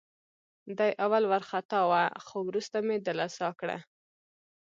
دی اول وارخطا وه، خو وروسته مې دلاسا کړه.